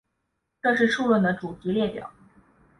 这是数论的主题列表。